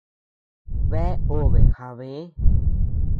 Bea obe jabë